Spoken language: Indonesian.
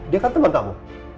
dia kan temen kamu